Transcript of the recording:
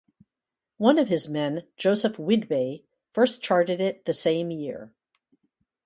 One of his men, Joseph Whidbey, first charted it the same year.